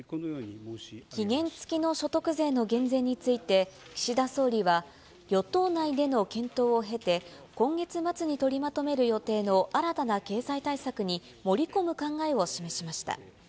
期限付きの所得税の減税について、岸田総理は、与党内での検討を経て、今月末に取りまとめる予定の新たな経済対策に盛り込む考えを示しました。